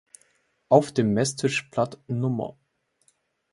Auf dem Messtischblatt Nr.